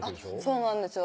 そうなんですよ